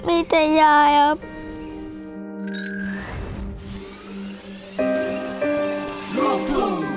ไม่เจ็บยายครับ